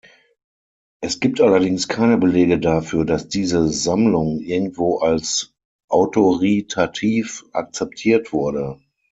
Es gibt allerdings keine Belege dafür, dass diese „Sammlung“ irgendwo als autoritativ akzeptiert wurde.